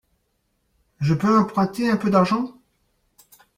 Je peux emprunter un peu d'argent ?